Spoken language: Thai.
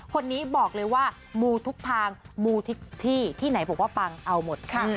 คนนี้บอกเลยว่ามูทุกทางมูที่ที่ไหนบอกว่าปังเอาหมดค่ะ